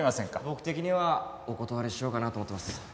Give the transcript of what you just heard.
僕的にはお断りしようかなと思ってます。